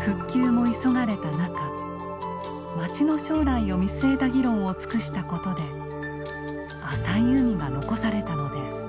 復旧も急がれた中町の将来を見据えた議論を尽くしたことで浅い海が残されたのです。